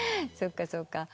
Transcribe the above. そうかそうか。